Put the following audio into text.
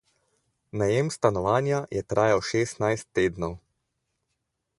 Najem stanovanja je trajal šestnajst tednov.